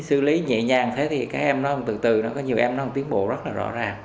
xử lý nhẹ nhàng thế thì các em nói từ từ có nhiều em nói tiến bộ rất là rõ ràng